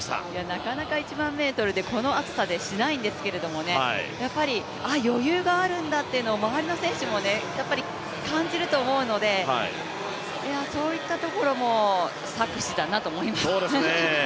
なかなか１００００ｍで、この暑さでしないんですけどもねやっぱり余裕があるんだというのを周りの選手も感じると思うのでそういったところも策士だなと思います。